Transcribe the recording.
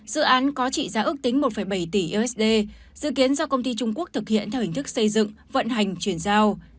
dự án có trị giá ước tính một bảy tỷ usd dự kiến do công ty trung quốc thực hiện theo hình thức xây dựng vận hành chuyển giao